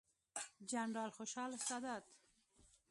جنرال خوشحال سادات،